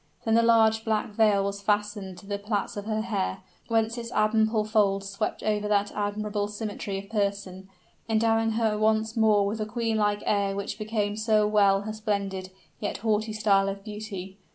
Then the large black veil was fastened to the plaits of her hair, whence its ample folds swept over that admirable symmetry of person, endowing her once more with the queen like air which became so well her splendid, yet haughty style of beauty!